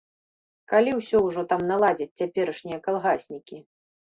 Калі ўсё ўжо там наладзяць цяперашнія калгаснікі?